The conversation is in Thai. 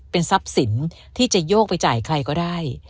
เป็นทรัพย์สินที่จะโยกไปจ่ายใครก็ได้